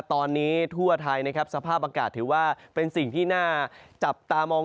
ตอนนี้ทั่วไทยนะครับสภาพอากาศถือว่าเป็นสิ่งที่น่าจับตามอง